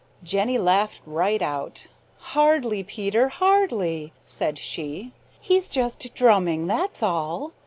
Jenny laughed right out. "Hardly, Peter, hardly," said she. "He's just drumming, that's all.